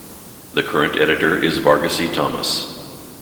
The current editor is Varghese Thomas.